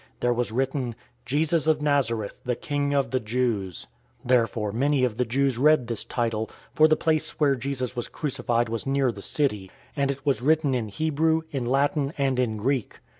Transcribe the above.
There was written, "JESUS OF NAZARETH, THE KING OF THE JEWS." 019:020 Therefore many of the Jews read this title, for the place where Jesus was crucified was near the city; and it was written in Hebrew, in Latin, and in Greek.